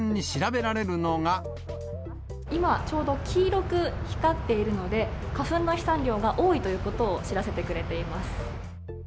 今、ちょうど黄色く光っているので、花粉の飛散量が多いということを知らせてくれています。